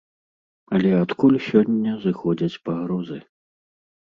Але адкуль сёння зыходзяць пагрозы?